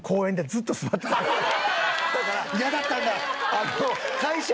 嫌だったんだ。